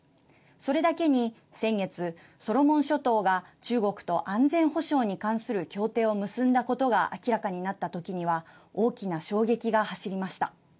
それだけに、先月ソロモン諸島が中国と安全保障に関する協定を結んだことが明らかになったときには大きな衝撃が走りました。